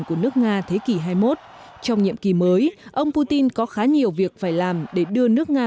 của nước nga thế kỷ hai mươi một trong nhiệm kỳ mới ông putin có khá nhiều việc phải làm để đưa nước nga